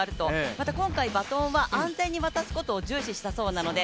また今回バトンは安全に渡すことを重視したそうなので